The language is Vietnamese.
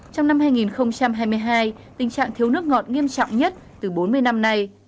trong năm hai nghìn hai mươi hai tình trạng thiếu nước ngọt nghiêm trọng nhất từ bốn mươi năm nay